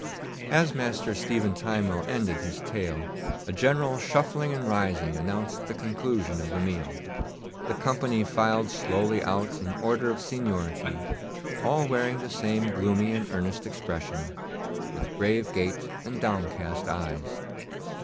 As Master Stephen Timewell ended his tale a general shuffling and rising announced the conclusion of the meal. The company filed slowly out in order of seniority, all wearing the same gloomy and earnest expression, with grave gait and downcast eyes.